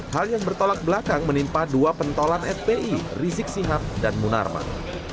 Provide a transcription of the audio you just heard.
hal yang bertolak belakang menimpa dua pentolan fpi rizik sihab dan munarman